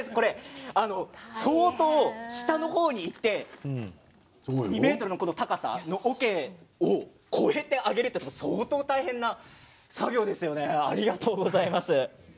相当下の方にいって２ｍのこの高さのおけを越えて上げるというのは相当、大変な作業ですよねありがとうございます。